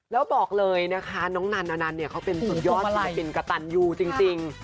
แล้วบอกเลยนะคะน้องนันเขาเป็นสุดยอดศิลปินกะตันอยู่จริง